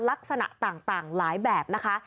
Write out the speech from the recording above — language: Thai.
ลักษณะต่างหลายแบบนะคะ